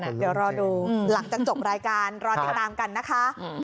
เดี๋ยวรอดูหลังจากจบรายการรอติดตามกันนะคะ